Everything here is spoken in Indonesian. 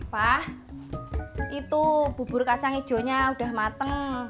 wah itu bubur kacang hijaunya udah mateng